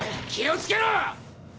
気をつけろ！